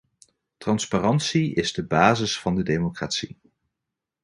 Transparantie is de basis van de democratie.